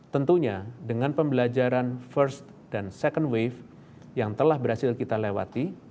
tentunya dengan pembelajaran first dan second wave yang telah berhasil kita lewati